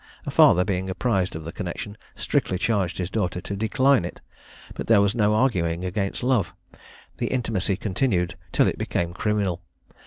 Her father, being apprised of the connexion, strictly charged his daughter to decline it: but there was no arguing against love; the intimacy continued till it became criminal.